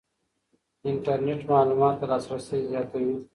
انټرنېټ معلوماتو ته لاسرسی زیاتوي.